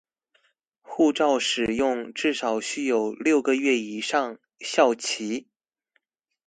護照使用至少須有六個月以上效期